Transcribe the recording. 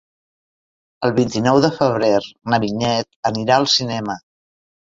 El vint-i-nou de febrer na Vinyet anirà al cinema.